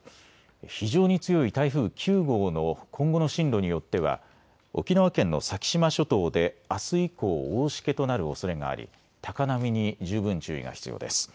非常に強い台風９号の今後の進路によっては沖縄県の先島諸島であす以降、大しけとなるおそれがあり高波に十分注意が必要です。